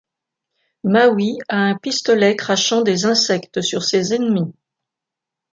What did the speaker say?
Maui a un pistolet crachant des insectes sur ses ennemis.